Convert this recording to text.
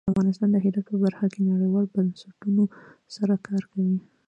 افغانستان د هرات په برخه کې نړیوالو بنسټونو سره کار کوي.